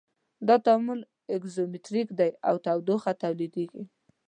دا تعامل اکزوترمیک دی او تودوخه تولیدیږي.